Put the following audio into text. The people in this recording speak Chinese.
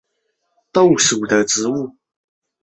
卷毛豇豆为豆科豇豆属的植物。